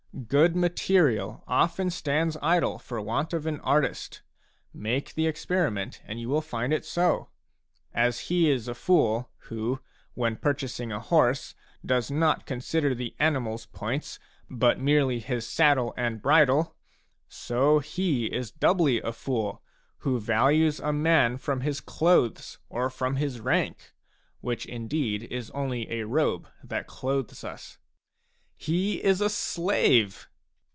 Good material often stands idle for want of an artist ; make the experi ment, and you will find it so. As he is a fool who, when purchasing a horse, does not consider the animal's points, but merely his saddle and bridle ; so he is doubly a fool who values a man from his clothes or from his rank, which indeed is only a robe that clothes us. " He is a slave."